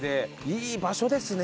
いい場所ですね